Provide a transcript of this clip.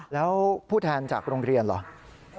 แล้วผู้แทนจากโรงเรียนเหรอ